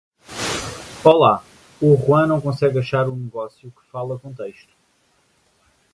Olá, o Ruan não consegue achar um negócio que fala com texto.